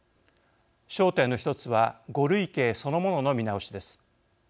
焦点の１つは５類型そのものの見直しです。